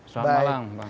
selamat malam bang